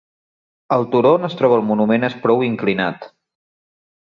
El turó on es troba el monument és prou inclinat.